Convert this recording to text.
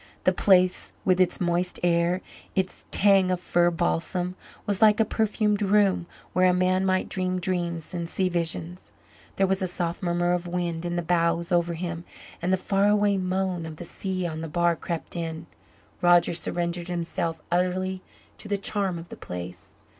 The place, with its moist air, its tang of fir balsam, was like a perfumed room where a man might dream dreams and see visions. There was a soft murmur of wind in the boughs over him, and the faraway moan of the sea on the bar crept in. Roger surrendered himself utterly to the charm of the place.